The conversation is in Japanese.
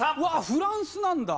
フランスなんだ。